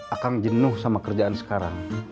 akang jenuh sama kerjaan sekarang